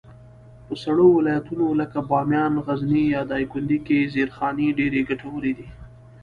په سړو ولایتونو لکه بامیان، غزني، یا دایکنډي کي زېرخانې ډېرې ګټورې دي.